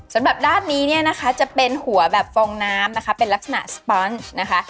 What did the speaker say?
สำหรับด้านนี้จะเป็นหัวแบบฟองน้ำเป็นลักษณะสปอนช์